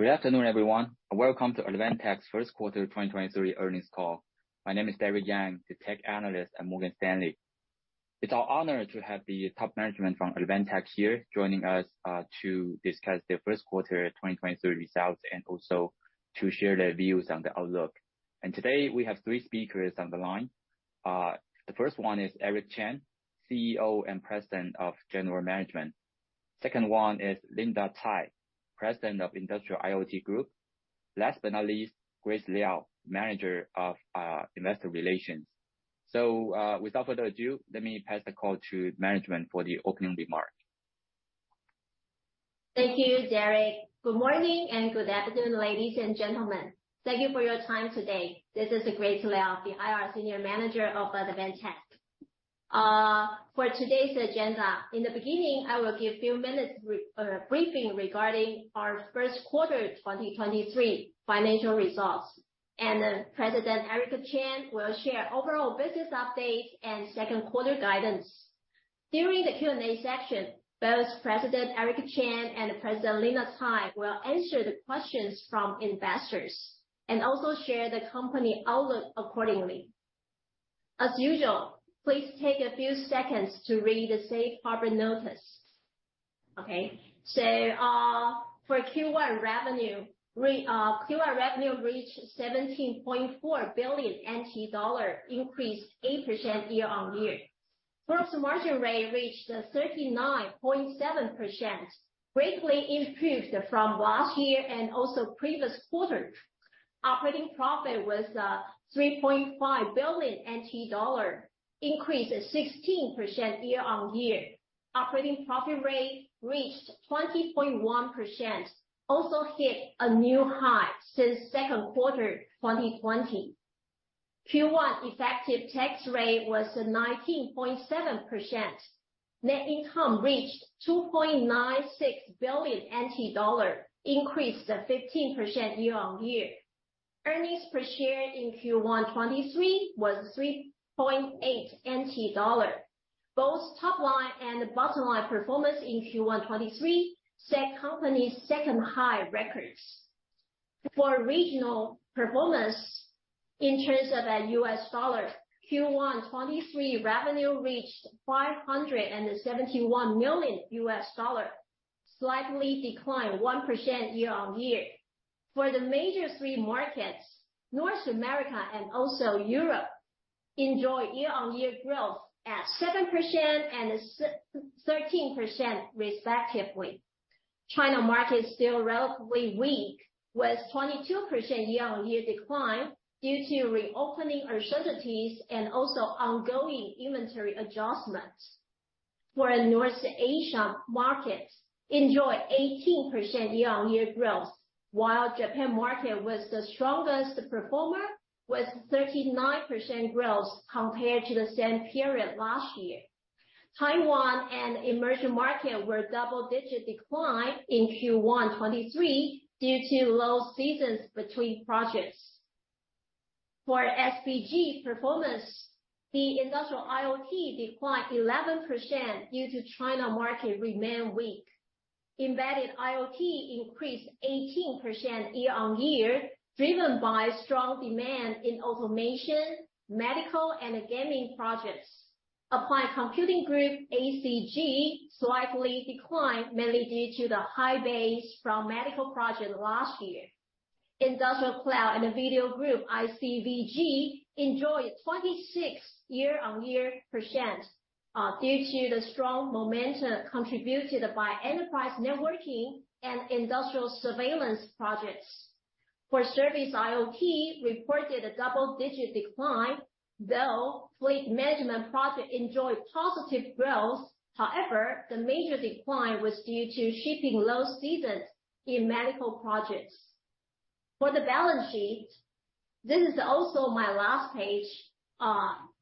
Good afternoon, everyone, welcome to Advantech's first quarter 2023 earnings call. My name is Derrick Yang, the Tech Analyst at Morgan Stanley. It's our honor to have the top management from Advantech here joining us to discuss their first quarter 2023 results and also to share their views on the outlook. Today, we have three speakers on the line. The first one is Eric Chen, CEO and President of General Management. Second one is Linda Tsai, President of Industrial IoT Group. Last but not least, Grace Liao, Manager of Investor Relations. Without further ado, let me pass the call to management for the opening remark. Thank you, Derrick. Good morning and good afternoon, ladies and gentlemen. Thank you for your time today. This is Grace Liao, the IR Senior Manager of Advantech. For today's agenda, in the beginning, I will give few minutes briefing regarding our first quarter 2023 financial results. President Eric Chen will share overall business updates and second quarter guidance. During the Q&A session, both President Eric Chen and President Linda Tsai will answer the questions from investors, and also share the company outlook accordingly. As usual, please take a few seconds to read the safe harbor notice. For Q1 revenue reached NTD 17.4 billion, increased 8% year-on-year. Gross margin rate reached 39.7%, greatly improved from last year and also previous quarter. Operating profit was 3.5 billion NTD, increased 16% year-on-year. Operating profit rate reached 20.1%, also hit a new high since Q2 2020. Q1 effective tax rate was 19.7%. Net income reached 2.96 billion NTD, increased 15% year-on-year. Earnings per share in Q1 2023 was 3.8 NTD. Both top line and bottom line performance in Q1 2023 set company's second high records. For regional performance in terms of US dollar, Q1 2023 revenue reached $571 million, slightly declined 1% year-on-year. For the major three markets, North America and also Europe enjoyed year-on-year growth at 7% and 13% respectively. China market is still relatively weak, with 22% year-on-year decline due to reopening uncertainties and also ongoing inventory adjustments. North Asia markets, enjoy 18% year-on-year growth, while Japan market was the strongest performer with 39% growth compared to the same period last year. Taiwan and emerging market were double-digit decline in Q1 2023 due to low seasons between projects. SBG performance, the Industrial IoT declined 11% due to China market remain weak. Embedded IoT increased 18% year-on-year, driven by strong demand in automation, medical, and gaming projects. Applied Computing Group, ACG, slightly declined, mainly due to the high base from medical project last year. Industrial Cloud and Video Group, ICVG, enjoyed 26 year-on-year % due to the strong momentum contributed by enterprise networking and industrial surveillance projects. Service-IoT reported a double-digit decline, though fleet management project enjoyed positive growth. The major decline was due to shipping low seasons in medical projects. For the balance sheet, this is also my last page,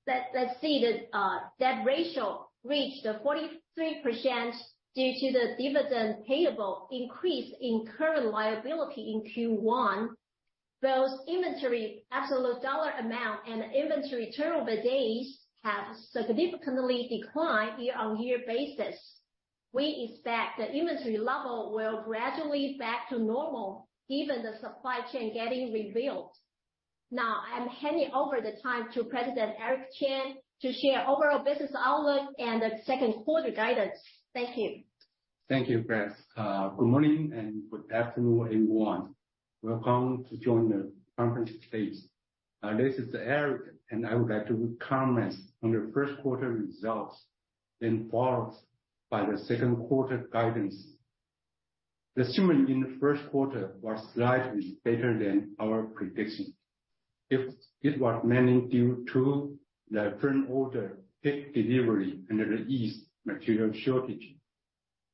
let's see the debt ratio reached 43% due to the dividend payable increase in current liability in Q1. Those inventory, absolute dollar amount and inventory turnover days have significantly declined year-on-year basis. We expect the inventory level will gradually back to normal given the supply chain getting revealed. Now, I'm handing over the time to President Eric Chen to share overall business outlook and the second quarter guidance. Thank you. Thank you, Grace. Good morning and good afternoon, everyone. Welcome to join the conference today. This is Eric. I would like to comment on the first quarter results followed by the second quarter guidance. The assuming in the first quarter was slightly better than our prediction. It was mainly due to the current order, late delivery, and the ease material shortage.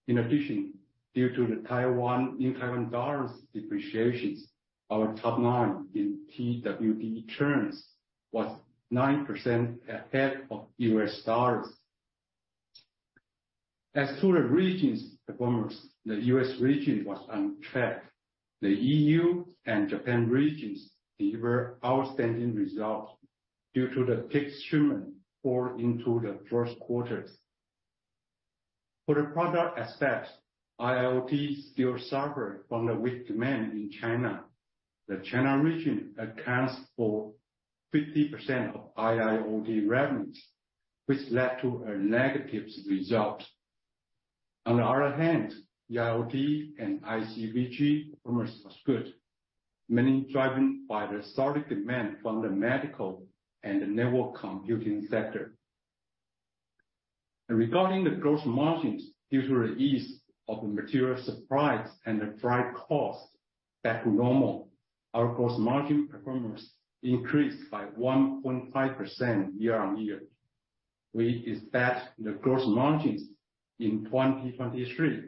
In addition, due to the Taiwan, New Taiwan dollar's depreciations, our top line in TWD terms was 9% ahead of US dollars. As to the region's performance, the US region was on track. The EU and Japan regions delivered outstanding results due to the peak streaming fall into the first quarters. For the product aspects, IIoT still suffered from the weak demand in China. The China region accounts for 50% of IIoT revenues, which led to a negative result. On the other hand, IoT and ICVG performance was good, mainly driven by the solid demand from the medical and the network computing sector. Regarding the gross margins, due to the ease of the material supplies and the drive costs back to normal, our gross margin performance increased by 1.5% year-on-year. We expect the gross margins in 2023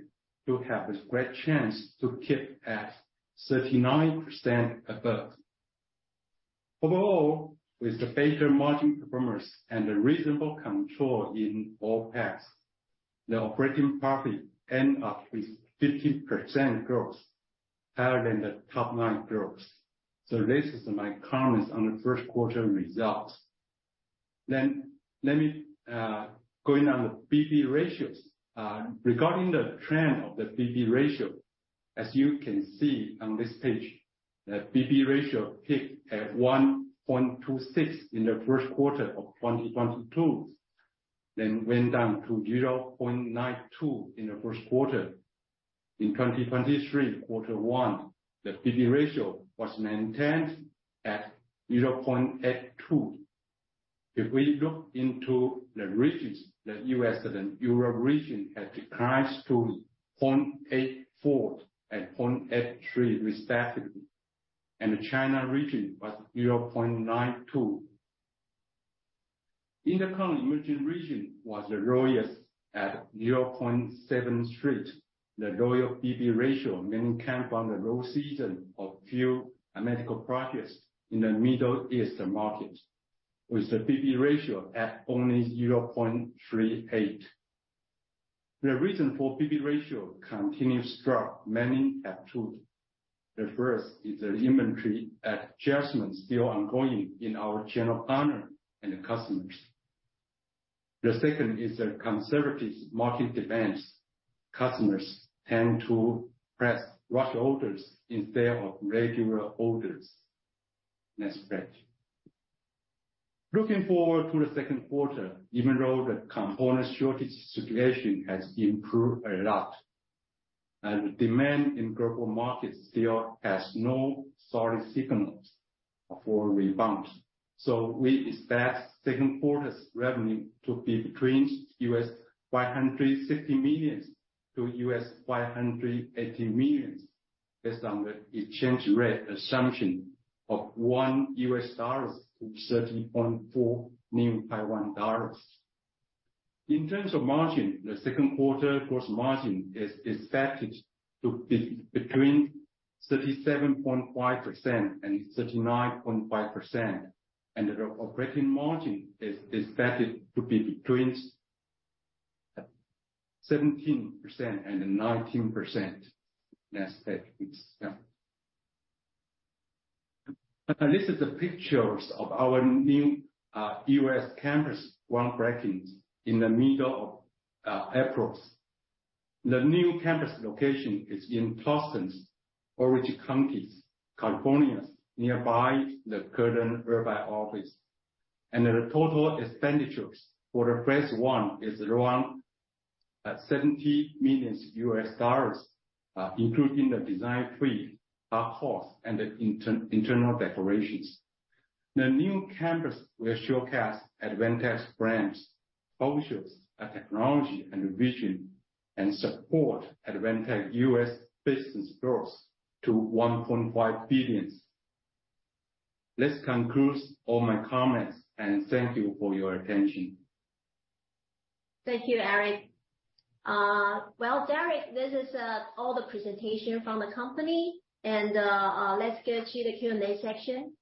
to have a great chance to keep at 39% above. Overall, with the better margin performance and the reasonable control in all parts, the operating profit end up with 15% growth higher than the top-line growth. This is my comments on the first quarter results. Let me going on the P/B ratios. Regarding the trend of the P/B ratio, as you can see on this page, the P/B ratio peaked at 1.26 in the first quarter of 2022, then went down to 0.92 in the first quarter. In 2023 quarter one, the P/B ratio was maintained at 0.82. If we look into the regions, The U.S. and Europe region had declines to 0.84 and 0.83, respectively, and the China region was 0.92. In the current emerging region was the lowest at 0.73. The lower P/B ratio mainly came from the low season of few medical projects in the Middle East market, with the P/B ratio at only 0.38. The reason for P/B ratio continue strong, mainly have two. The first is the inventory adjustments still ongoing in our general partner and the customers. The second is the conservative market demands. Customers tend to place rush orders instead of regular orders. Next page. Looking forward to the second quarter, even though the component shortage situation has improved a lot, the demand in global markets still has no solid signals for a rebound. We expect second quarter's revenue to be between $560 million-$580 million, based on the exchange rate assumption of 1 US dollar to 30.4 New Taiwan dollars. In terms of margin, the second quarter gross margin is expected to be between 37.5% and 39.5%, and the operating margin is expected to be between 17% and 19%. Next page, please. This is the pictures of our new US campus groundbreaking in the middle of April. The new campus location is in Tustin, Orange County, California, nearby the current Irvine office. The total expenditures for the phase one is around $70 million, including the design fee, hard costs, and the internal decorations. The new campus will showcase Advantech's brands, focuses on technology and vision, and support Advantech U.S. business growth to $1.5 billion. This concludes all my comments, and thank you for your attention. Thank you, Eric. well, Derrick, this is all the presentation from the company, and let's get to the Q&A section.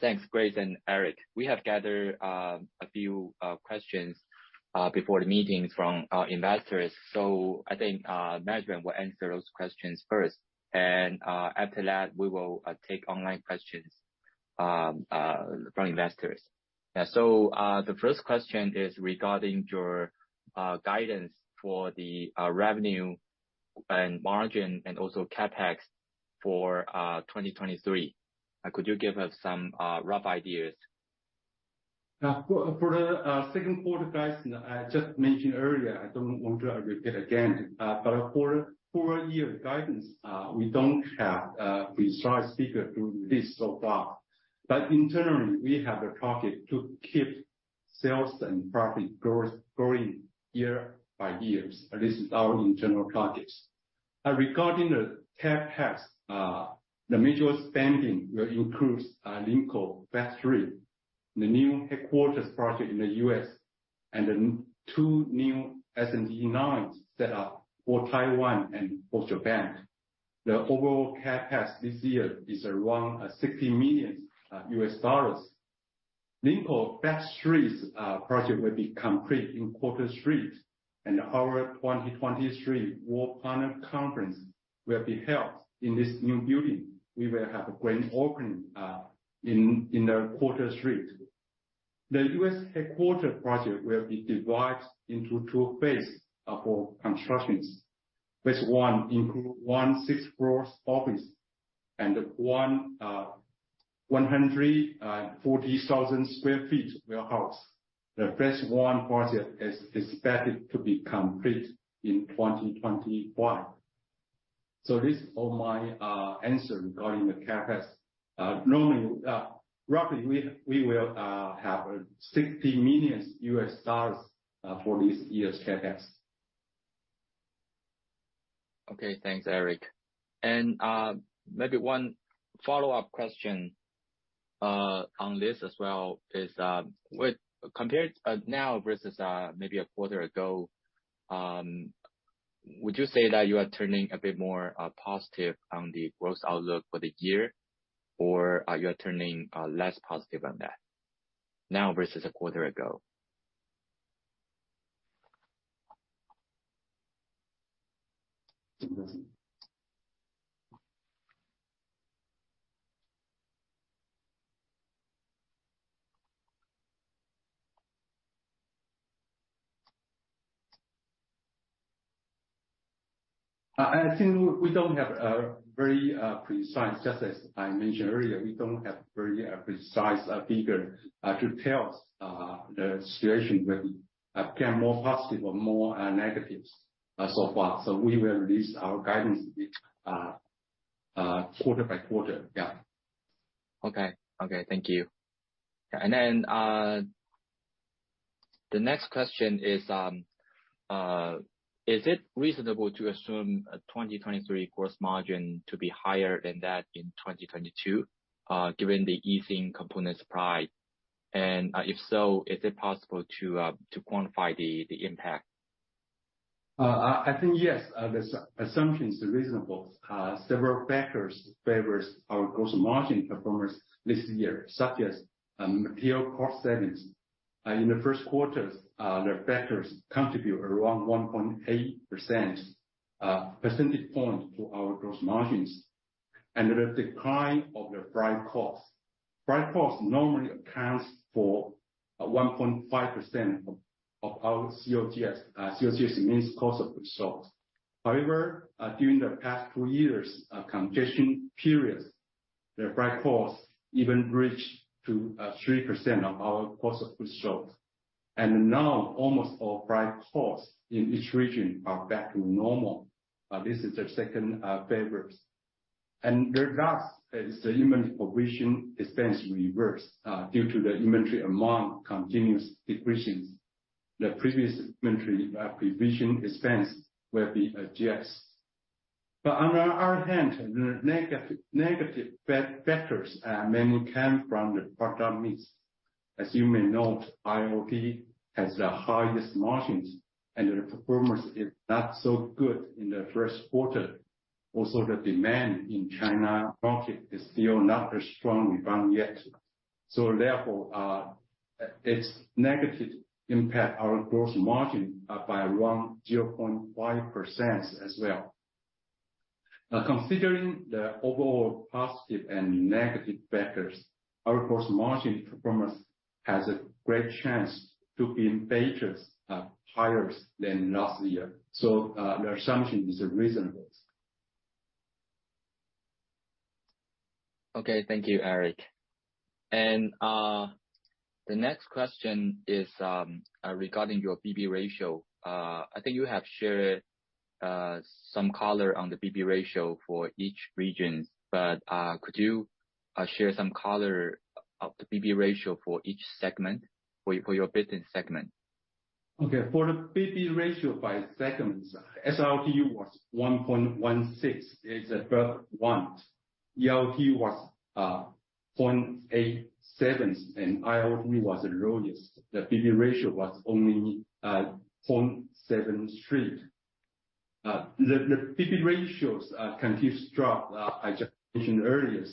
Thanks, Grace and Eric. We have gathered a few questions before the meeting from our investors. I think management will answer those questions first. After that, we will take online questions from investors. The first question is regarding your guidance for the revenue and margin and also CapEx for 2023. Could you give us some rough ideas? Yeah. For, for the second quarter guidance, I just mentioned earlier, I don't want to repeat again. For a year guidance, we don't have a precise figure to release so far. Internally, we have a target to keep sales and profit growth growing year by years. This is our internal targets. Regarding the CapEx, the major spending will include Linkou phase three, the new headquarters project in The U.S., and then two new SMD lines set up for Taiwan and also Japan. The overall CapEx this year is around $60 million. Linkou Back Streets project will be complete in Q3, and our 2023 World Partner Conference will be held in this new building. We will have a grand opening in Q3. The U.S. headquarters project will be divided into two phase of constructions. Phase I include one six floors office and one, 140,000 square feet warehouse. The Phase One project is expected to be complete in 2021. These are my answer regarding the CapEx. Roughly we will have $60 million for this year's CapEx. Okay. Thanks, Eric. Maybe one follow-up question on this as well is, compared now versus maybe a quarter ago, would you say that you are turning a bit more positive on the growth outlook for the year, or are you turning less positive on that now versus a quarter ago? Just as I mentioned earlier, we don't have very precise figure to tell the situation whether become more positive or more negatives so far. We will release our guidance quarter by quarter. Yeah. Okay. Okay. Thank you. The next question is it reasonable to assume a 2023 gross margin to be higher than that in 2022, given the easing component supply? If so, is it possible to quantify the impact? I think yes, the assumption is reasonable. Several factors favors our gross margin performance this year, such as material cost savings. In the first quarter, the factors contribute around 1.8 percentage point to our gross margins and the decline of the freight costs. Freight costs normally accounts for 1.5% of our COGS. COGS means cost of goods sold. However, during the past two years, congestion periods, the freight costs even reached to 3% of our cost of goods sold. Now almost all freight costs in each region are back to normal. This is the second favors. The last is the inventory provision expense reverse, due to the inventory amount continuous decreasing. The previous inventory provision expense will be adjusted. On the other hand, the negative factors mainly came from the product mix. As you may note, IoT has the highest margins and the performance is not so good in the first quarter. Also, the demand in China market is still not a strong rebound yet. Therefore, it's negative impact our gross margin by around 0.5% as well. Considering the overall positive and negative factors, our gross margin performance has a great chance to be in pages, highest than last year. The assumption is reasonable. Okay. Thank you, Eric. The next question is regarding your P/B ratio. I think you have shared some color on the P/B ratio for each region. Could you share some color of the P/B ratio for each segment for your business segment? Okay. For the P/B ratio by segments, SRD was 1.16. It's the first one. EIoT was 0.87, and IoT was the lowest. The P/B ratio was only 0.73. The P/B ratios continue to drop. I just mentioned earlier,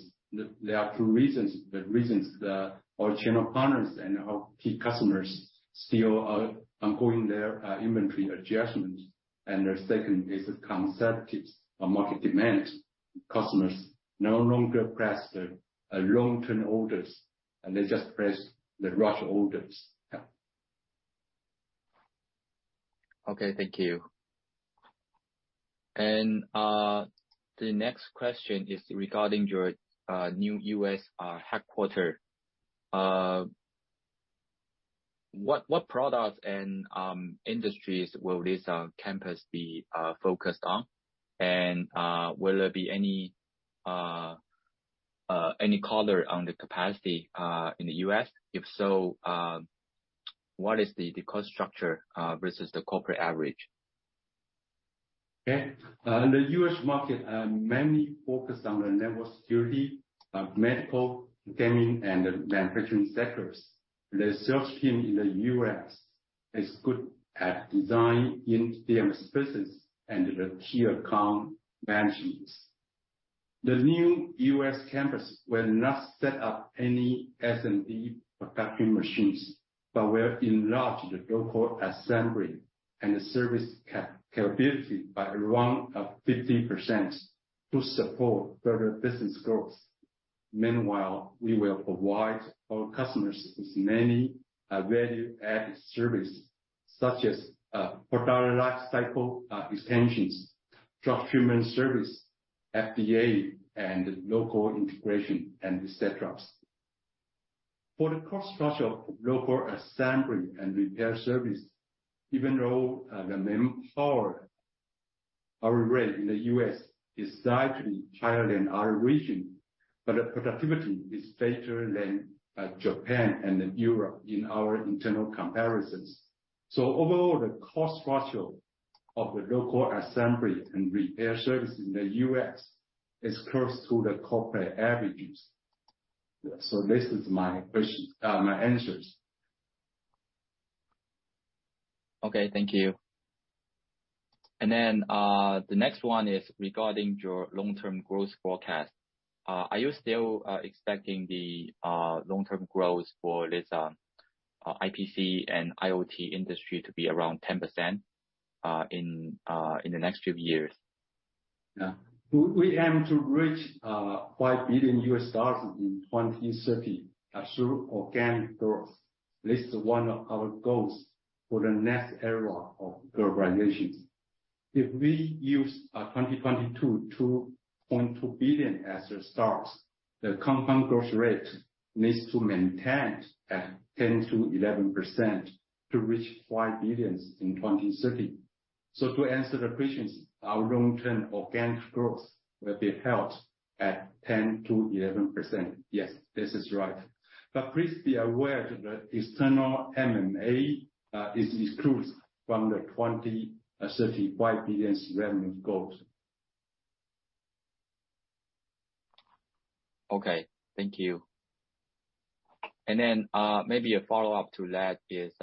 there are two reasons. The reasons that our channel partners and our key customers still are ongoing their inventory adjustments. The second is the conservative market demand. Customers no longer place the long-term orders, and they just place the rush orders. Yeah. Okay, thank you. The next question is regarding your new US headquarter. What products and industries will this campus be focused on? Will there be any color on the capacity in The U.S.? If so, what is the cost structure versus the corporate average? The US market mainly focus on the network security, medical, gaming, and the manufacturing sectors. The sales team in The U.S. is good at design in their spaces and the tier account managements. The new US campus will not set up any S&D production machines, but will enlarge the local assembly and the service capability by around 50% to support further business growth. Meanwhile, we will provide our customers with many value-added services such as product lifecycle extensions, document service, FDA and local integration, and et cetera. For the cost structure of local assembly and repair service, even though the manpower hour rate in The U.S. is slightly higher than other region, but the productivity is better than Japan and Europe in our internal comparisons. Overall, the cost structure of the local assembly and repair service in The U.S. is close to the corporate averages. This is my question, my answers. Okay, thank you. The next one is regarding your long-term growth forecast. Are you still expecting the long-term growth for this IPC and IoT industry to be around 10% in the next few years? We aim to reach $5 billion in 2030 through organic growth. This is one of our goals for the next era of globalization. If we use 2022, $2.2 billion as a start, the compound growth rate needs to maintain at 10%-11% to reach $5 billion in 2030. To answer the questions, our long-term organic growth will be held at 10%-11%. Yes, this is right. Please be aware that the external M&A is excluded from the 2030 $5 billion revenue goals. Okay. Thank you. Maybe a follow-up to that is,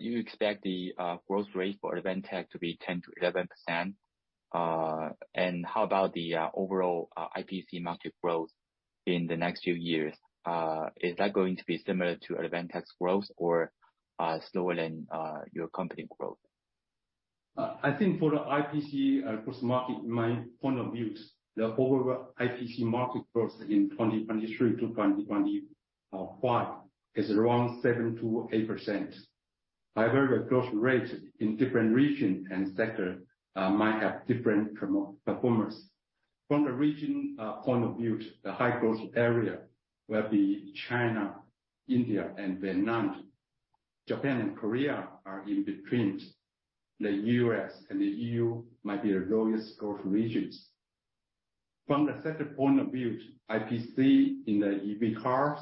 you expect the growth rate for Advantech to be 10%-11%. How about the overall IPC market growth in the next few years? Is that going to be similar to Advantech's growth or slower than your company growth? I think for the IPC growth market, my point of view is the overall IPC market growth in 2023 to 2025 is around 7%-8%. However, the growth rate in different regions and sector might have different performance. From the region point of view, the high growth area will be China, India and Vietnam. Japan and Korea are in between. The U.S. and The EU might be the lowest growth regions. From the second point of view, IPC in the EV cars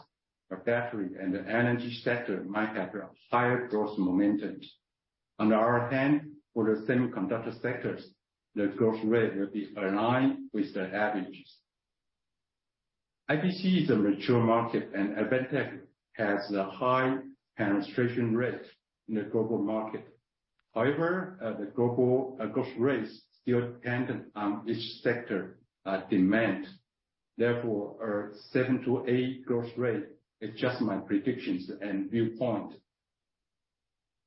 or battery and the energy sector might have a higher growth momentum. On the other hand, for the semiconductor sectors, the growth rate will be aligned with the averages. IPC is a mature market, and Advantech has a high penetration rate in the global market. However, the global growth rates still dependent on each sector demand. Our 7%-8% growth rate is just my predictions and viewpoint.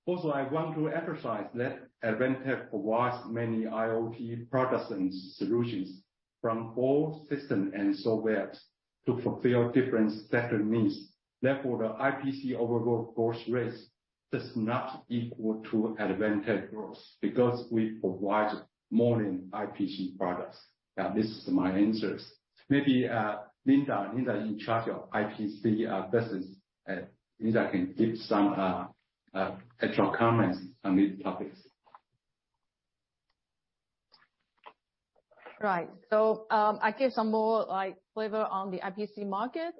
I want to emphasize that Advantech provides many IoT products and solutions from all system and softwares to fulfill different sector needs. The IPC overall growth rate does not equal to Advantech growth, because we provide more than IPC products. This is my answers. Linda in charge of IPC business. Linda can give some extra comments on these topics. I give some more like flavor on the IPC market.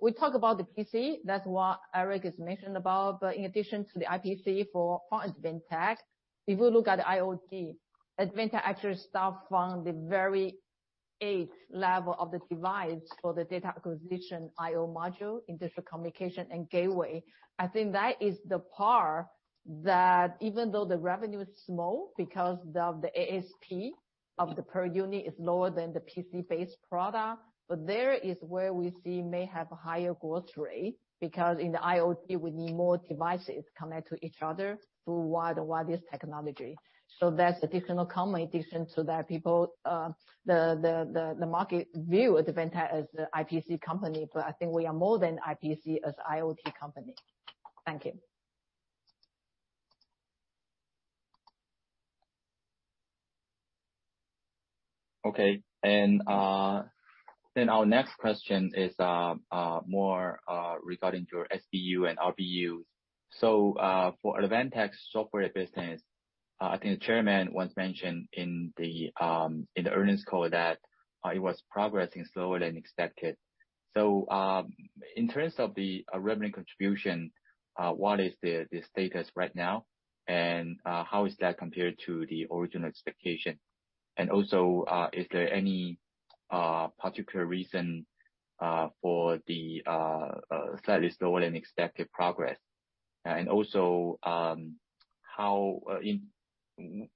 We talk about the PC, that's what Eric Chen has mentioned about. In addition to the IPC for Advantech, if you look at the IoT, Advantech actually starts from the very eighth level of the device for the data acquisition I/O module, industrial communication and gateway. I think that is the part that even though the revenue is small because of the ASP of the per unit is lower than the PC-based product, but there is where we see may have higher growth rate. In the IoT, we need more devices connect to each other through wire and wireless technology. That's additional comment, addition to that, people, the market view Advantech as a IPC company, but I think we are more than IPC as IoT company. Thank you. Our next question is more regarding your SBU and RBU. For Advantech's software business, I think the chairman once mentioned in the earnings call that it was progressing slower than expected. In terms of the revenue contribution, what is the status right now, and how is that compared to the original expectation? Is there any particular reason for the slightly slower than expected progress? How in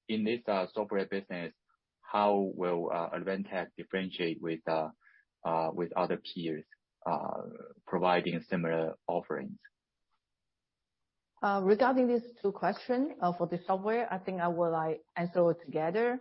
this software business will Advantech differentiate with other peers providing similar offerings? Regarding these two question, for the software, I think I will, like, answer all together.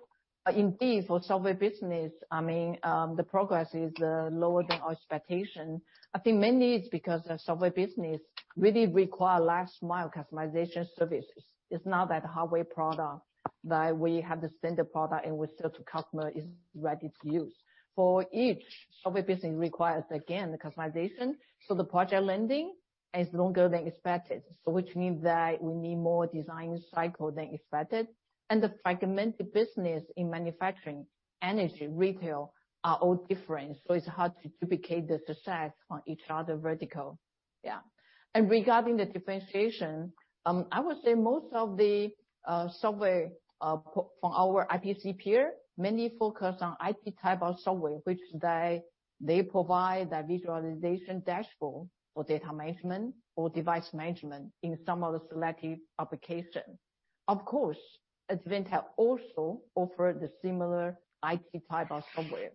Indeed, for software business, the progress is lower than our expectation. I think mainly it's because the software business really require last mile customization services. It's not that hardware product that we have the standard product and we sell to customer is ready to use. For each software business requires, again, the customization, the project lending is longer than expected. Which means that we need more design cycle than expected, and the fragmented business in manufacturing, energy, retail are all different. It's hard to duplicate the success on each other vertical. Yeah. Regarding the differentiation, I would say most of the software from our IPC peer mainly focus on IT type of software, which they provide the visualization dashboard for data management or device management in some of the selected applications. Of course, Advantech also offer the similar IT type of software.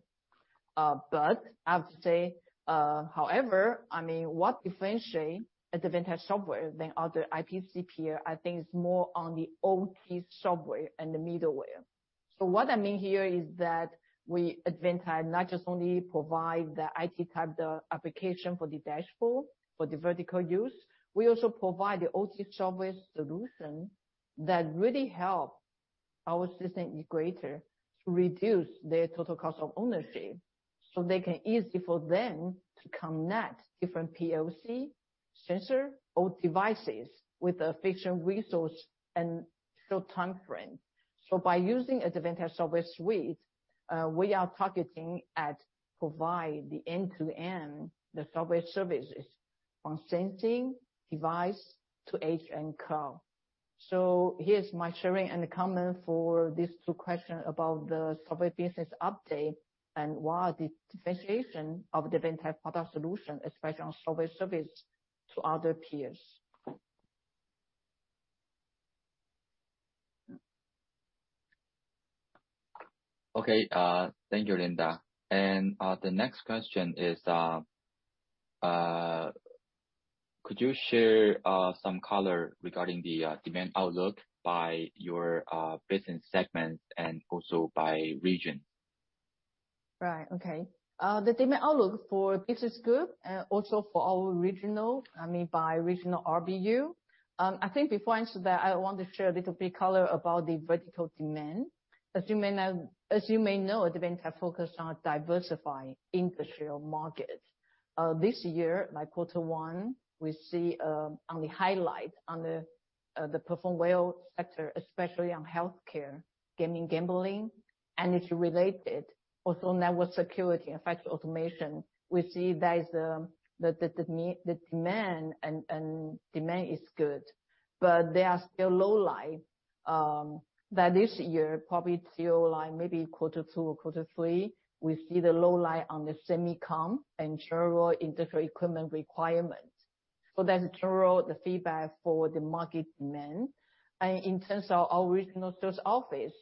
I have to say, however, I mean, what differentiate Advantech software than other IPC peer, I think it's more on the OT software and the middleware. What I mean here is that we, Advantech, not just only provide the IT type of application for the dashboard for the vertical use, we also provide the OT software solution that really help our system integrator to reduce their total cost of ownership, so they can easy for them to connect different POC, sensor or devices with efficient resource and still time frame. By using Advantech software suite, we are targeting at provide the end-to-end, the software services from sensing device to edge and cloud. Here's my sharing and comment for these two questions about the software business update and what the differentiation of Advantech product solution, especially on software service to other peers. Okay. Thank you, Linda. The next question is, could you share some color regarding the demand outlook by your business segments and also by region? Right. Okay. The demand outlook for business group and also for our regional, I mean by regional RBU. I think before I answer that, I want to share a little bit color about the vertical demand. As you may know, Advantech have focused on diversifying industrial markets. This year, by Q1, we see on the highlight on the perform well sector, especially on healthcare, gaming gambling, and it's related also network security, in fact, automation. We see there is the demand and demand is good, but they are still low lying that this year probably till, like maybe quarter two or quarter three, we see the low lying on the semicon and general industrial equipment requirement. That's general, the feedback for the market demand. In terms of our regional sales office,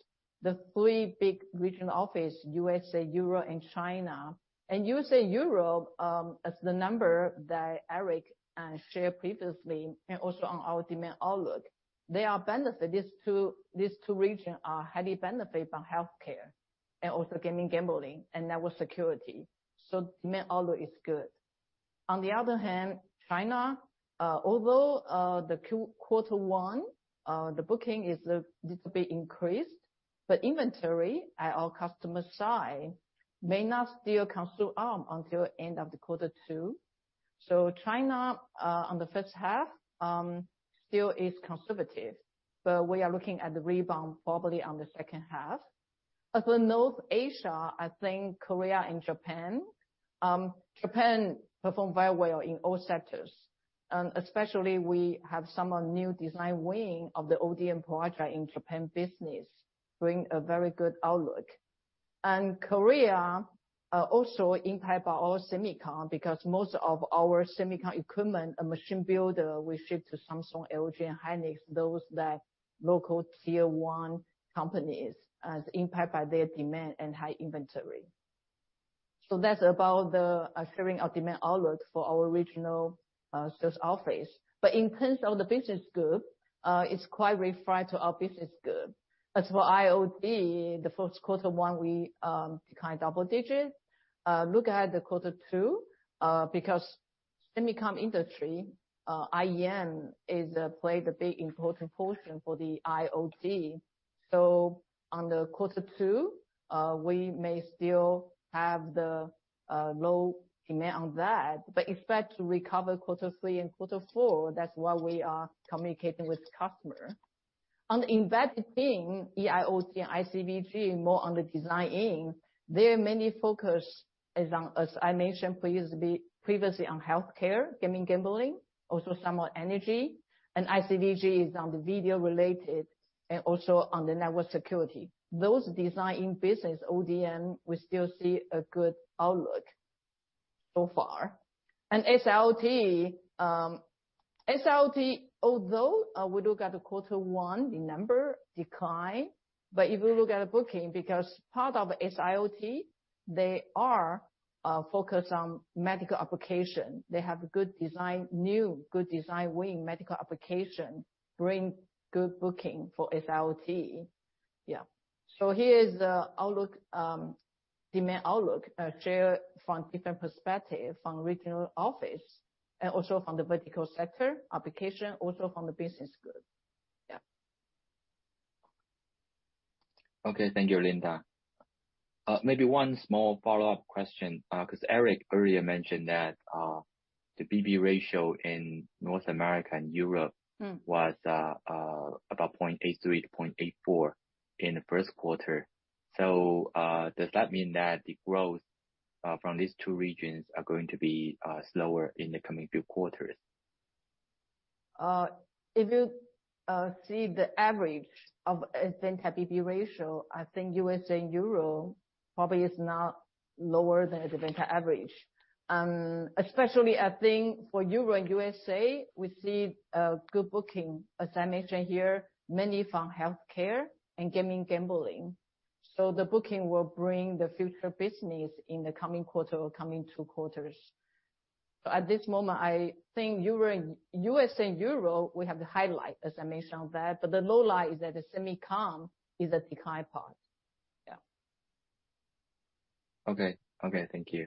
the three big regional office, USA, Europe and China. USA, Europe, as the number that Eric shared previously and also on our demand outlook, these two regions are highly benefit from healthcare and also gaming gambling and network security. Demand outlook is good. On the other hand, China, although, the quarter one booking is a little bit increased, but inventory at our customer side may not still come through arm until end of the quarter two. China, on the first half, still is conservative, but we are looking at the rebound probably on the second half. As for North Asia, I think Korea and Japan. Japan perform very well in all sectors, especially we have some new design winning of the ODM project in Japan business, bring a very good outlook. Korea also impact by our semicon because most of our semicon equipment and machine builder will ship to Samsung, LG and Hynix, those that local tier one companies as impact by their demand and high inventory. That's about the sharing of demand outlook for our regional sales office. In terms of the business group, it's quite referred to our business group. For IoT, the first quarter one we decline double digits. Look at the quarter two, because semicon industry, IEM is play the big important portion for the IoT. On the quarter two, we may still have the low demand on that but expect to recover quarter three and quarter four. That's why we are communicating with customer. On the embedded thing, EIoT and ICVG, more on the design end, there are many focus as I mentioned previously on healthcare, gaming gambling, also somewhat energy and ICVG is on the video related and also on the network security. Those design business ODM, we still see a good outlook. So far. SIoT, although we look at the quarter one, the number decline, but if you look at the booking, because part of SIoT, they are focused on medical application. They have good design, new good design wing medical application, bring good booking for SIoT. Yeah. Here is the outlook, demand outlook, share from different perspective from regional office and also from the vertical sector application, also from the business group. Okay. Thank you, Linda. Maybe one small follow-up question, 'cause Eric earlier mentioned that, the BB ratio in North America and Europe- Mm. -was, about 0.83 to 0.84 in the first quarter. Does that mean that the growth, from these two regions are going to be, slower in the coming few quarters? If you see the average of Advantech P/B ratio, I think USA and Euro probably is not lower than Advantech average. Especially I think for Euro and USA, we see a good booking, as I mentioned here, mainly from healthcare and gaming gambling. The booking will bring the future business in the coming quarter or coming two quarters. At this moment, I think USA and Euro, we have the highlight, as I mentioned that, but the lowlight is that the semicon is at the high part. Okay. Okay, thank you.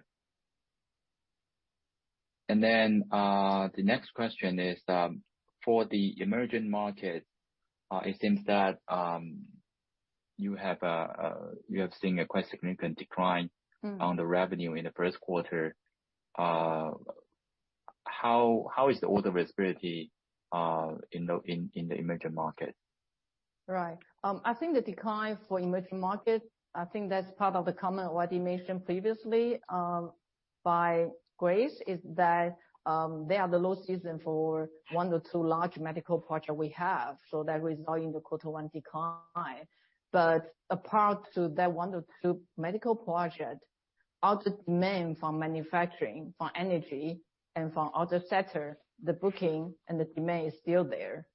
The next question is for the emerging market, it seems that you have seen a quite significant decline... Mm. on the revenue in the first quarter. How is the order visibility in the emerging market? Right. I think the decline for emerging market, I think that's part of the comment what you mentioned previously, by Grace, is that they are the low season for one or two large medical project we have, so that result in the quarter one decline. Apart to that one or two medical project, other demand from manufacturing, from energy and from other sector, the booking and the demand is still there.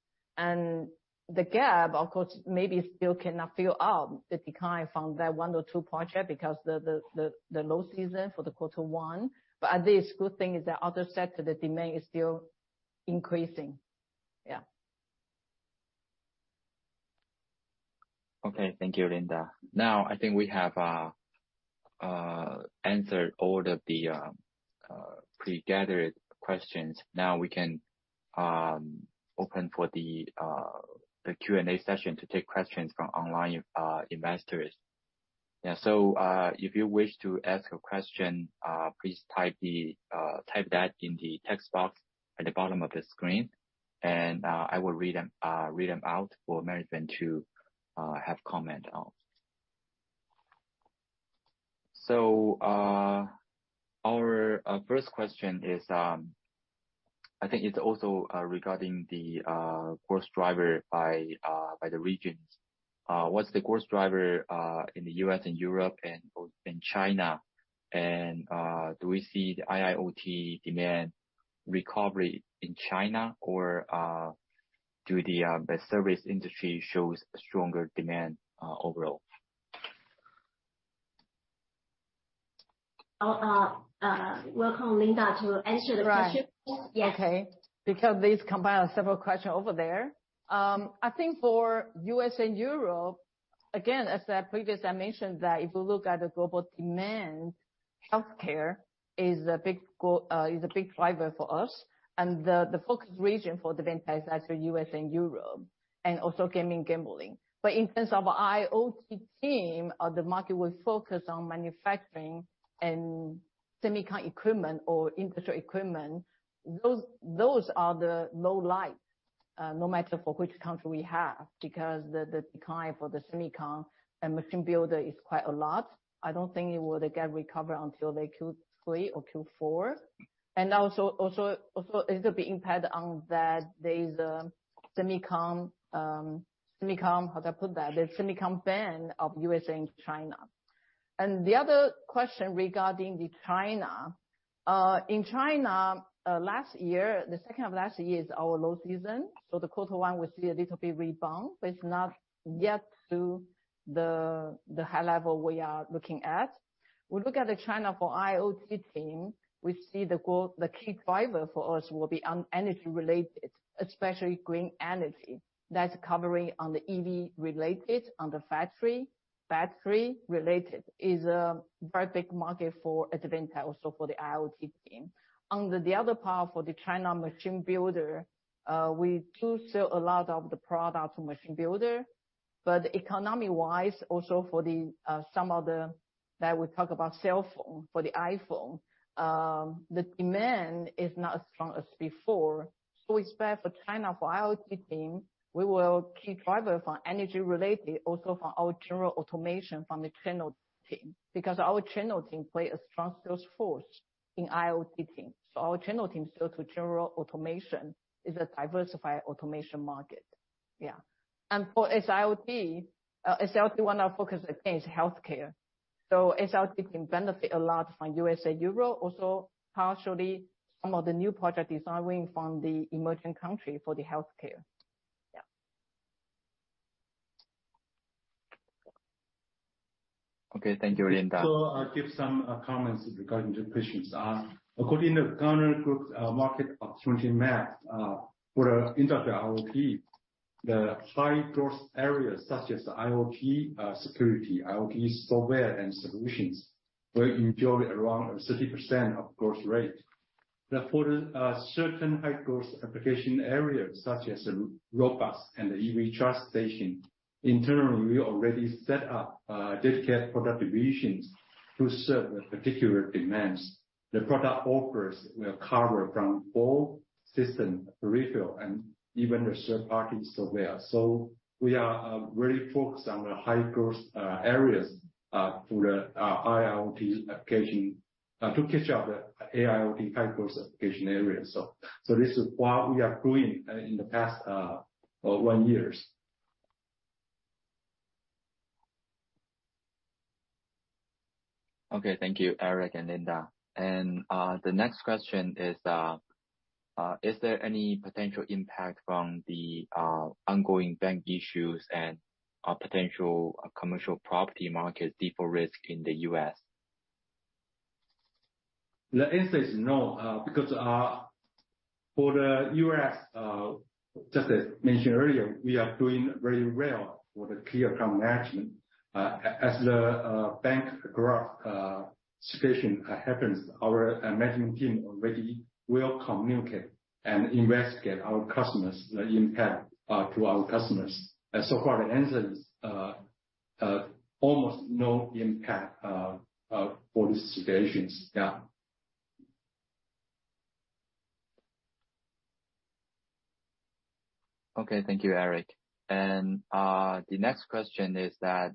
The gap, of course, maybe still cannot fill up the decline from that one or two project because the low season for the quarter one. At least good thing is that other sector, the demand is still increasing. Yeah. Okay, thank you, Linda. I think we have answered all of the pre-gathered questions. We can open for the Q&A session to take questions from online investors. If you wish to ask a question, please type that in the text box at the bottom of the screen, and I will read them out for management to have comment on. Our first question is, I think it's also regarding the growth driver by the regions. What's the growth driver in The U.S. and Europe and in China? Do we see the IIoT demand recovery in China or do the service industry shows stronger demand overall? I'll welcome Linda to answer the question. Right. Yes. Okay. Because this combine several question over there. I think for U.S. and Europe, again, as I previous I mentioned that if you look at the global demand, healthcare is a big driver for us. The focus region for the Advantech is actually US and Europe, and also gaming gambling. In terms of our IIoT team, the market will focus on manufacturing and semicon equipment or industrial equipment. Those are the low light, no matter for which country we have, because the decline for the semicon and machine builder is quite a lot. I don't think it will get recovered until the Q3 or Q4. Also it will be impact on that there's a semicon... How do I put that? The semicon ban of U.S. and China. The other question regarding the China. In China, last year, the second half of last year is our low season. The quarter one we see a little bit rebound, but it's not yet to the high level we are looking at. We look at the China for IIoT team, we see the key driver for us will be on energy related, especially green energy. That's covering on the EV related, on the factory, battery related, is a very big market for Advantech, also for the IIoT team. The other part for the China machine builder, we do sell a lot of the product to machine builder. Economy-wise, also for some of the, that we talk about cell phone, for the iPhone, the demand is not as strong as before. Expect for China, for IIoT team, we will keep driver for energy related also from our general automation from the channel team, because our channel team play a strong sales force in IIoT team. Our channel team sell to general automation is a diversified automation market. Yeah. For SIoT one of our focus again is healthcare. SIoT can benefit a lot from U.S. and Europe, also partially some of the new project designing from the emerging country for the healthcare. Yeah. Okay. Thank you, Linda. I'll give some comments regarding the questions. According to Gartner's Market Opportunity Map, for the Industrial IoT, the high growth areas such as the IoT security, IoT software and solutions will enjoy around 30% of growth rate. Now for the certain high growth application areas such as the robots and the EV charging station, internally, we already set up dedicated product divisions to serve the particular demands. The product offers will cover from both system peripheral and even the third-party software. We are really focused on the high growth areas for the IIoT application to catch up the IIoT high growth application areas. This is what we are doing in the past 1 years. Okay. Thank you, Eric and Linda. The next question is there any potential impact from the ongoing bank issues and potential commercial property market default risk in The U.S.? The answer is no, because, for The U.S., just as mentioned earlier, we are doing very well for the clear account management. As the bank graph situation happens, our management team already will communicate and investigate our customers, the impact to our customers. So far, the answer is almost no impact for these situations. Yeah. Okay. Thank you, Eric. The next question is that,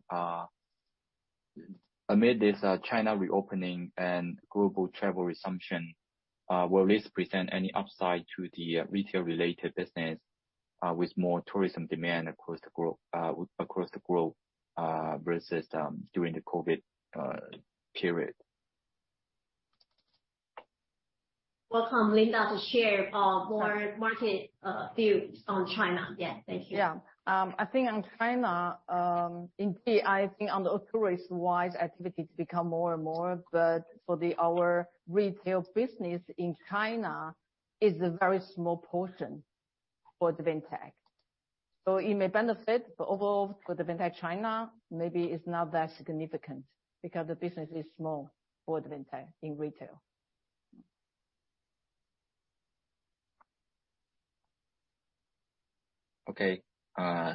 amid this, China reopening and global travel resumption, will this present any upside to the retail-related business, with more tourism demand across the globe, versus, during the COVID period? Welcome, Linda, to share more market views on China. Yeah. Thank you. Yeah. I think on China, indeed, I think on the tourism-wise activities become more and more, but our retail business in China is a very small portion for Advantech. It may benefit, but overall for Advantech China, maybe it's not that significant because the business is small for Advantech in retail. Okay.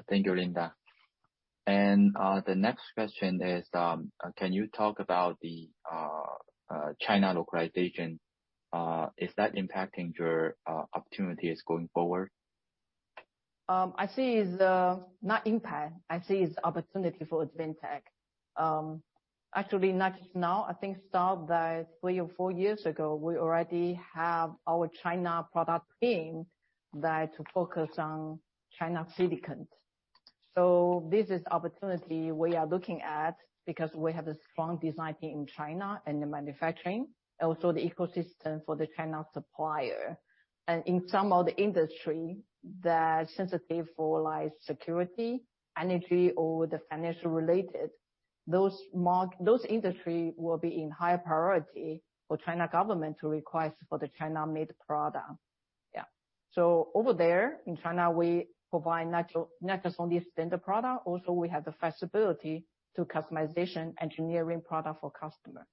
Thank you, Linda. The next question is, can you talk about the China localization? Is that impacting your opportunities going forward? I see it as not impact. I see it as opportunity for Advantech. Actually, not just now, I think start that three or four years ago, we already have our China product team that focus on China silicon. This is opportunity we are looking at because we have a strong design team in China and the manufacturing, also the ecosystem for the China supplier. In some of the industry that sensitive for like security, energy or the financial related, those industry will be in high priority for China government to request for the China-made product. Over there in China, we provide not just only standard product, also we have the flexibility to customization engineering product for customer.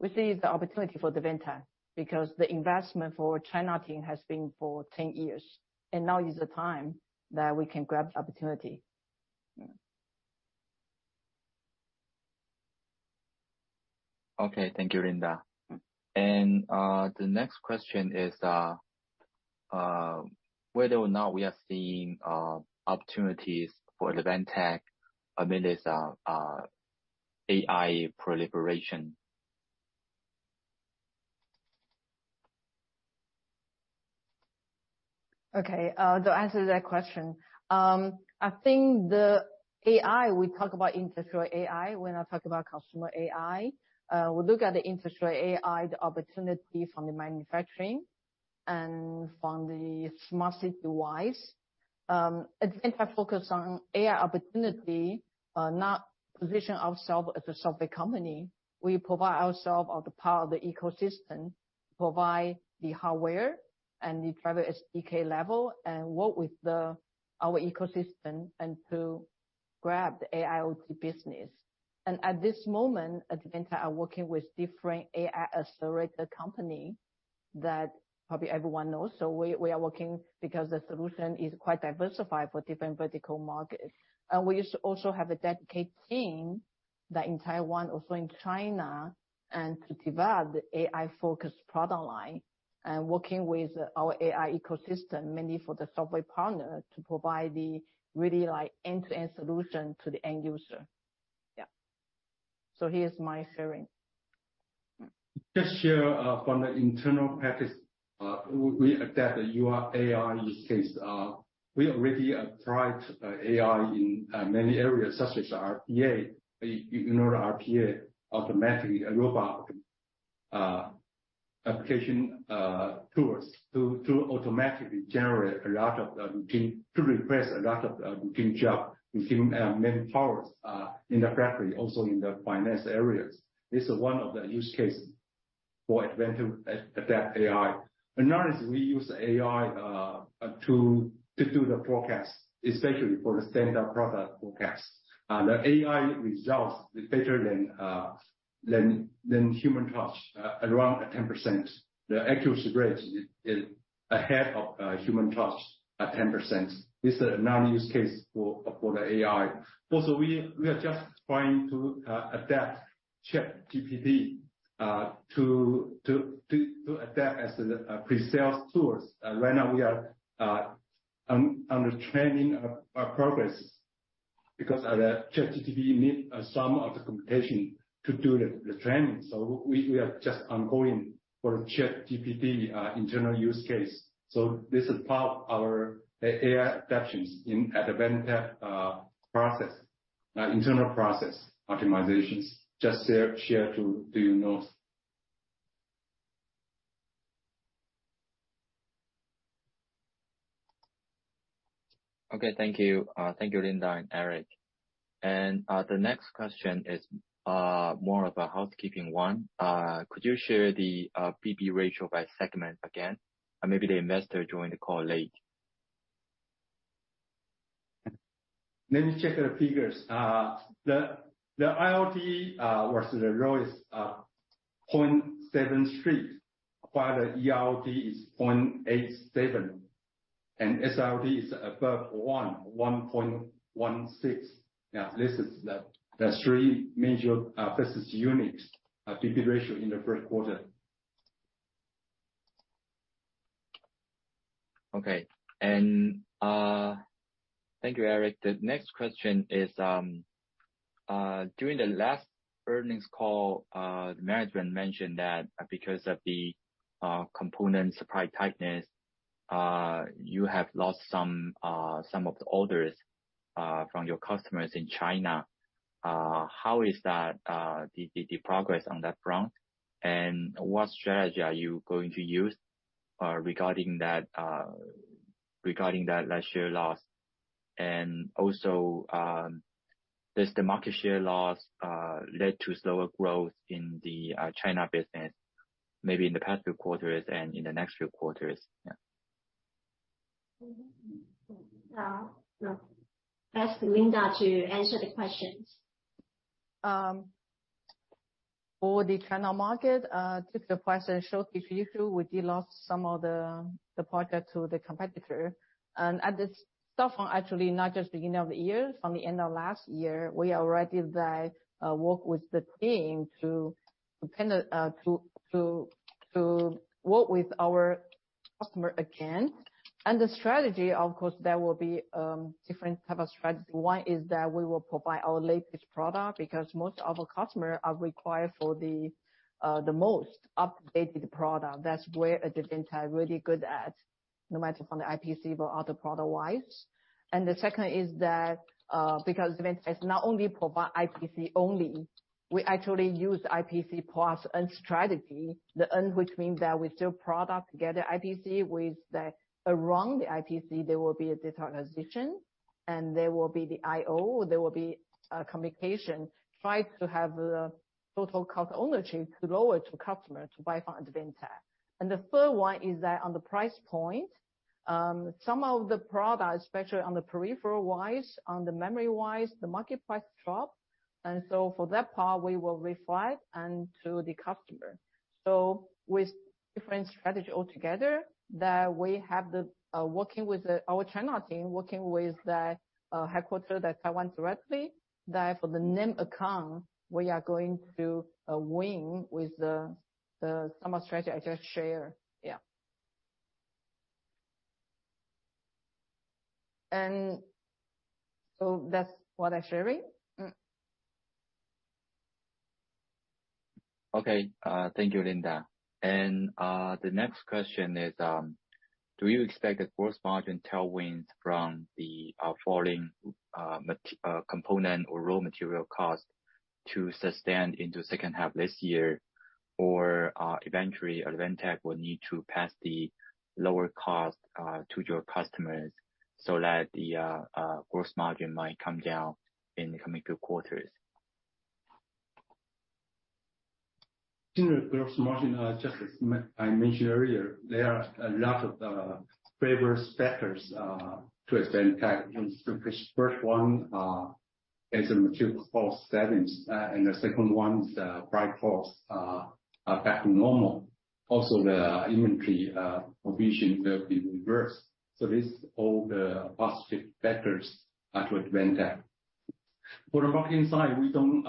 We see it as the opportunity for Advantech because the investment for China team has been for 10 years, and now is the time that we can grab the opportunity. Yeah. Okay. Thank you, Linda. The next question is whether or not we are seeing opportunities for Advantech amidst AI proliferation? Okay. To answer that question, I think the AI, we talk about industrial AI. We're not talking about consumer AI. We look at the industrial AI, the opportunity from the manufacturing and from the smart city wise. Advantech focus on AI opportunity, not position ourself as a software company. We provide ourself as the power of the ecosystem, provide the hardware and the driver SDK level and work with our ecosystem and to grab the AIoT business. At this moment, Advantech are working with different AI accelerator company that probably everyone knows. We are working because the solution is quite diversified for different vertical markets. We also have a dedicated team that in Taiwan, also in China, and to develop the AI-focused product line and working with our AI ecosystem, mainly for the software partner to provide the really like end-to-end solution to the end user. Yeah. Here's my sharing. Just share from the internal practice, we adapt the AI use case. We already applied AI in many areas such as RPA. You know, RPA, automatically a robot application tools to automatically generate a lot of the routine, to replace a lot of the routine job, routine manpowers in the factory, also in the finance areas. This is one of the use case for Advantech adapt AI. Another is we use AI to do the forecast, especially for the standard product forecast. The AI results is better than human touch around 10%. The accuracy rate is ahead of human touch at 10%. This is another use case for the AI. We are just trying to adapt ChatGPT to adapt as pre-sales tools. Right now we are under training progress because ChatGPT need some of the computation to do the training. We are just ongoing for ChatGPT internal use case. This is part of our AI adaptations in Advantech process internal process optimizations. Share to you notes. Okay. Thank you. Thank you, Linda and Eric. The next question is more of a housekeeping one. Could you share the B/B ratio by segment again? Maybe the investor joined the call late. Let me check the figures. The IoT versus the raw is 0.73, while the ERD is 0.87. SRD is above 1.16. This is the three major business units P/B ratio in the first quarter. Okay. Thank you, Eric. The next question is, during the last earnings call, the management mentioned that because of the component supply tightness, you have lost some of the orders from your customers in China. How is that the progress on that front? What strategy are you going to use regarding that last year loss? Also, does the market share loss lead to slower growth in the China business, maybe in the past few quarters and in the next few quarters? Yeah. No. Ask Linda to answer the questions. For the China market, just the price I showed you, we did lost some of the product to the competitor. At the start from actually not just beginning of the year, from the end of last year, we already did that, work with the team to depend, to work with our customer again. The strategy, of course, there will be different type of strategy. One is that we will provide our latest product, because most of our customer are required for the most updated product. That's where Advantech really good at, no matter from the IPC or other product wise. The second is that, because Advantech is not only provide IPC only, we actually use IPC plus and strategy. The end which means that we still product together IPC with the... Around the IPC, there will be a data acquisition, and there will be the IO, there will be communication. Try to have the total cost ownership lower to customer to buy from Advantech. The third one is that on the price point, some of the products, especially on the peripheral wise, on the memory wise, the market price drop. For that part, we will reflect and to the customer. With different strategy altogether that we have the working with our China team, working with the headquarter, the Taiwan directly, that for the name account, we are going to win with some of strategy I just shared. Yeah. That's what I sharing. Okay. Thank you, Linda. The next question is, do you expect the gross margin tailwinds from the falling component or raw material cost to sustain into second half this year, or eventually Advantech will need to pass the lower cost to your customers so that the gross margin might come down in the coming two quarters? In the gross margin, just as I mentioned earlier, there are a lot of favorable factors to Advantech. First one is the material cost savings. The second one is the price quotes are back to normal. Also, the inventory provision will be reversed. This is all the positive factors to Advantech. For the market side, we don't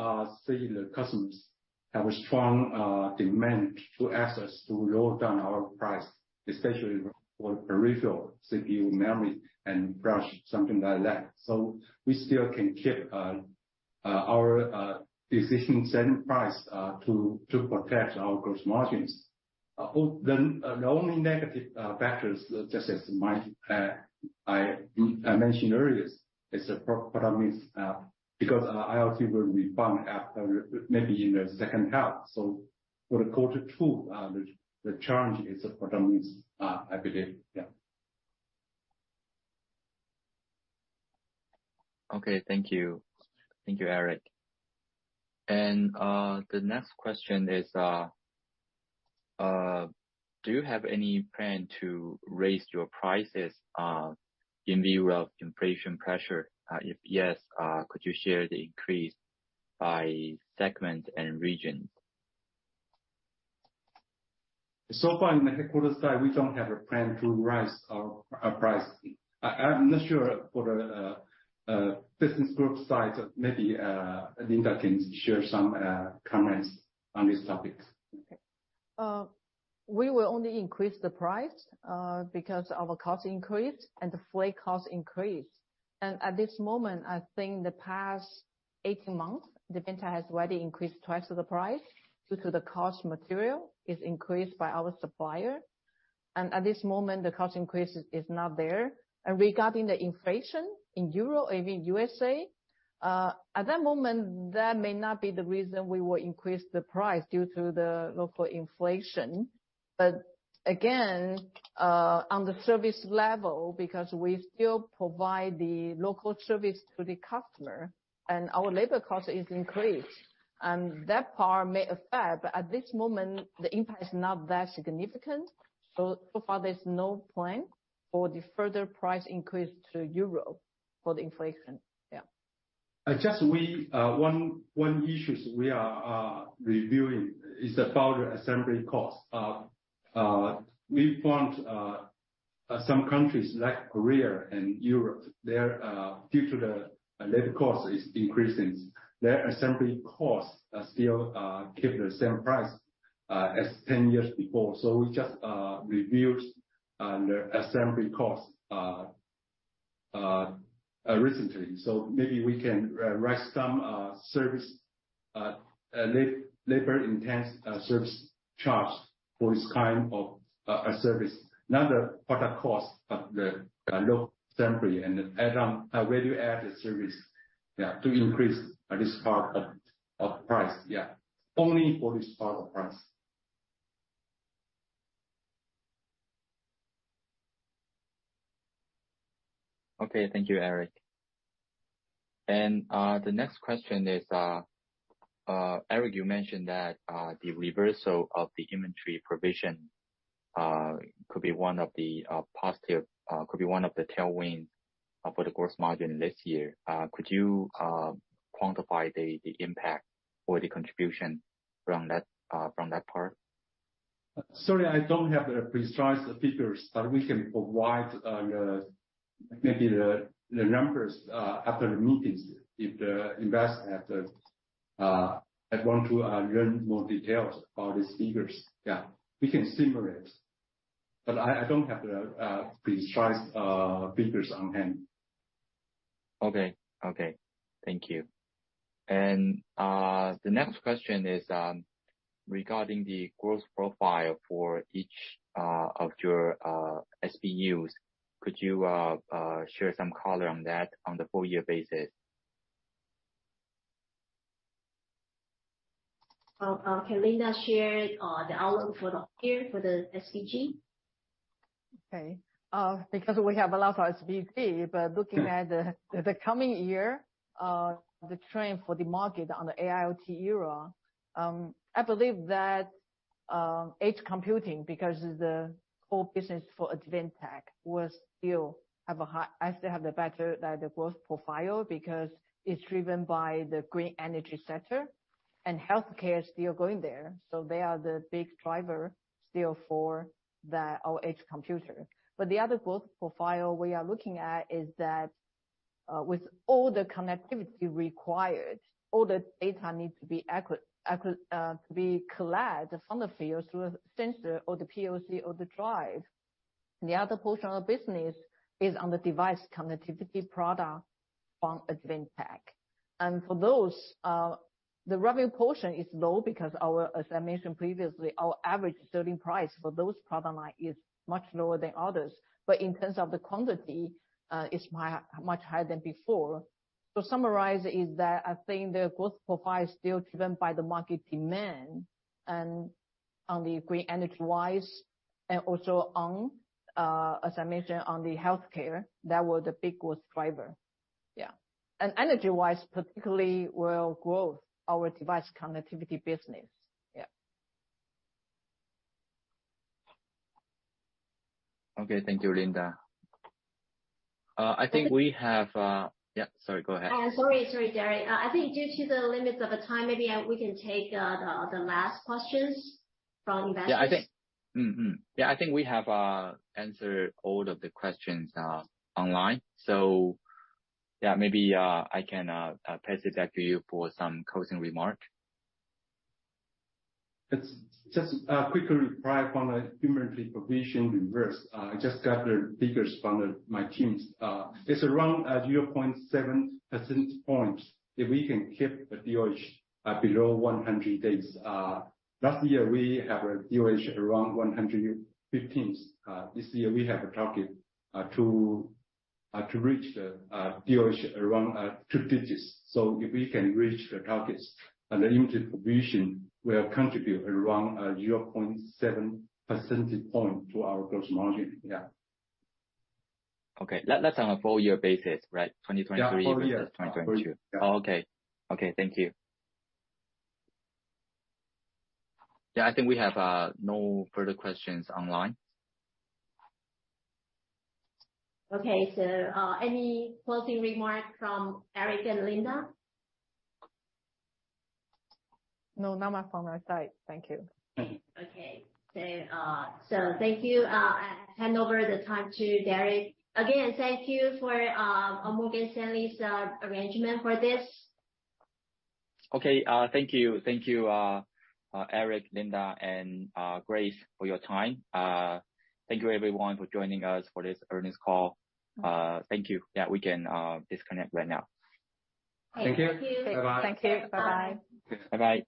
see the customers have a strong demand to ask us to lower down our price, especially for peripheral CPU memory and flash, something like that. We still can keep our decision set price to protect our gross margins. The only negative factors, just as I mentioned earlier, is the pro-product mix, because our IoT will rebound after maybe in the second half. For the quarter two, the challenge is the product mix, I believe. Yeah. Okay. Thank you. Thank you, Eric. The next question is, do you have any plan to raise your prices in view of inflation pressure? If yes, could you share the increase by segment and region? Far in the headquarters side, we don't have a plan to raise our price. I'm not sure for the business group side. Maybe Linda can share some comments on this topic. Okay. We will only increase the price because our cost increased and the freight cost increased. At this moment, I think the past 18 months, Advantech has already increased twice of the price due to the cost material is increased by our supplier. At this moment, the cost increase is not there. Regarding the inflation in Euro and in USA, at that moment, that may not be the reason we will increase the price due to the local inflation. Again, on the service level, because we still provide the local service to the customer and our labor cost is increased, and that part may affect, but at this moment the impact is not that significant. So far there's no plan for the further price increase to Euro for the inflation. Yeah. Just one issue we are reviewing is about assembly cost. We found some countries like Korea and Europe, their due to the labor cost is increasing, their assembly costs are still keep the same price as 10 years before. We just reviewed on the assembly cost recently. Maybe we can raise some service labor intense service charge for this kind of a service. Not the product cost, but the low assembly and value add service, yeah, to increase this part of price. Yeah. Only for this part of price. Okay, thank you, Eric. The next question is, Eric, you mentioned that the reversal of the inventory provision could be one of the tailwinds for the gross margin this year. Could you quantify the impact or the contribution from that from that part? Sorry, I don't have the precise figures, but we can provide, the, maybe the numbers, after the meeting, if the investor, want to, learn more details about these figures. Yeah, we can simulate. I don't have the, precise, figures on hand. Okay. Okay. Thank you. The next question is, regarding the growth profile for each of your SPUs. Could you share some color on that on the full year basis? Well, can Linda share, the outlook for the year for the SPG? Because we have a lot of SPG, but looking at the coming year, the trend for the market on the IoT era, I believe that edge computing, because the core business for Advantech will still have the better growth profile because it's driven by the green energy sector and healthcare is still growing there. They are the big driver still for our edge computer. The other growth profile we are looking at is that with all the connectivity required, all the data needs to be collected from the field through a sensor or the POC or the drive. The other portion of the business is on the device connectivity product from Advantech. For those, the revenue portion is low because our, as I mentioned previously, our average selling price for those product line is much lower than others. In terms of the quantity, it's much higher than before. To summarize is that I think the growth profile is still driven by the market demand and on the green energy wise and also on, as I mentioned on the healthcare, that was the big growth driver. Energy-wise, particularly will grow our device connectivity business. Okay, thank you, Linda. I think we have. Yeah. Sorry, go ahead. I'm sorry. Sorry, Derek. I think due to the limits of the time, maybe we can take the last questions from investors. Yeah, I think we have answered all of the questions online. Yeah, maybe I can pass it back to you for some closing remark. It's just a quick reply from the inventory provision reverse. I just got the figures from my teams. It's around 0.7 percentage points. If we can keep the DOH below 100 days. Last year we have a DOH around 115. This year we have a target to reach the DOH around two digits. If we can reach the targets and the inventory provision will contribute around 0.7 percentage point to our gross margin. Yeah. Okay. That's on a full year basis, right? 2023 Yeah. Versus 2022. Yeah. Okay. Okay, thank you. I think we have no further questions online. Okay. Any closing remarks from Eric and Linda? No, not from my side. Thank you. Okay. Thank you. I hand over the time to Derrick. Again, thank you for Morgan Stanley's arrangement for this. Okay, thank you. Thank you, Eric, Linda, and Grace for your time. Thank you everyone for joining us for this earnings call. Thank you. Yeah, we can disconnect right now. Thank you. Thank you. Bye-bye. Thank you. Bye-bye. Bye-bye.